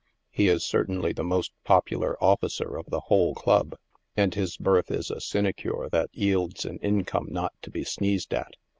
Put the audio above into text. He is certainly the most popular officer of the whole club, and his berth is a sinecure that yields an income not to be sneezed at.